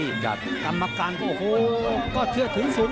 กรรมการโดยเวลาการก็ชนะถึงศุนต์